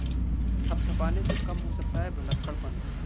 थपथपाने से कम हो सकता है भुलक्कड़पन